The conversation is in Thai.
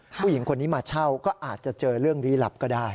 ผู้หญิงคนนี้มาเช่าก็อาจจะเจอเรื่องลี้ลับก็ได้